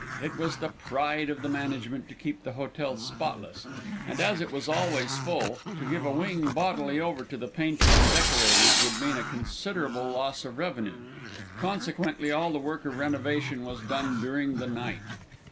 It was the pride of the management to keep the hotel spotless, and as it was always full, to give a wing bodily over to the painters and decorators would mean a considerable loss of revenue. Consequently all the work of renovation was done during the night.